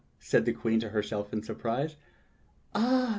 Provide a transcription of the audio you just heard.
said the Queen to herself in surprise. "Ah!